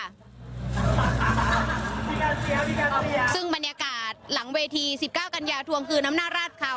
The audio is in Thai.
มีการเสียมีการเสียซึ่งบรรยากาศหลังเวที๑๙กันยาทวงคือน้ำหน้ารัดค่ะ